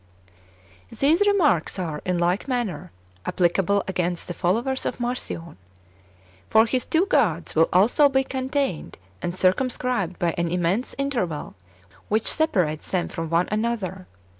4. These remarks are, in like manner, applicable against the followers of Marcion. For his two gods will also be contained and circumscribed by an immense interval which separates them from one another.